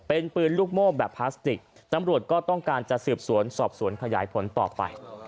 เป็นปืนลูกโม่แบบพลาสติกตำรวจก็ต้องการจะสืบสวนสอบสวนขยายผลต่อไป